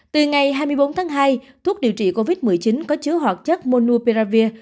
từ ngày hai mươi bốn tháng hai thuốc điều trị covid một mươi chín có chứa hoạt chất monuperavir